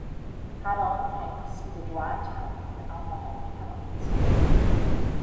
Haddon Heights is a dry town where alcohol cannot be sold.